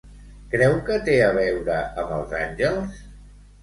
Creu que té a veure amb els àngels?